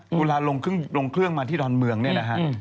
เวลาลงเครื่องมาที่ดอนเมืองเนี่ยนะฮะ